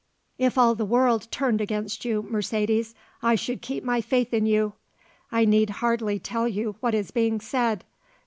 If all the world turned against you, Mercedes, I should keep my faith in you. I need hardly tell you what is being said.